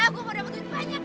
gue mau dapat duit banyak